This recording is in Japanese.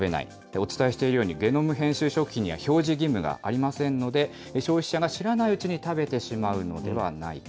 お伝えしているように、ゲノム編集食品には表示義務がありませんので、消費者が知らないうちに食べてしまうのではないか。